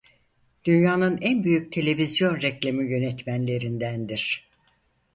Dünyanın en büyük televizyon reklamı yönetmenlerindendir.